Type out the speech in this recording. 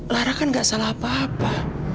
lara kan gak salah apa apa